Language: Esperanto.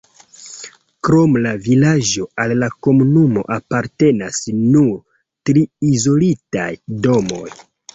Krom la vilaĝo al la komunumo apartenas nur tri izolitaj domoj.